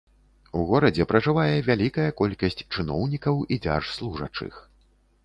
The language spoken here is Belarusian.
У горадзе пражывае вялікая колькасць чыноўнікаў і дзяржслужачых.